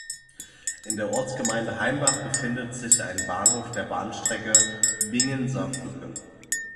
In der Ortsgemeinde Heimbach befindet sich ein Bahnhof der Bahnstrecke Bingen–Saarbrücken.